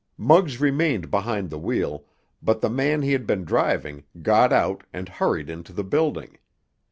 Muggs remained behind the wheel, but the man he had been driving got out and hurried into the building.